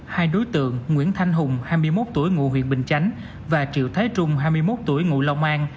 hai đối tượng nguyễn thanh hùng hai mươi một tuổi ngụ huyện bình chánh và triệu thái trung hai mươi một tuổi ngụ long an